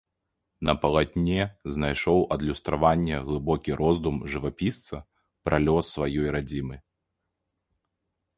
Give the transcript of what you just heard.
На палатне знайшоў адлюстраванне глыбокі роздум жывапісца пра лёс сваёй радзімы.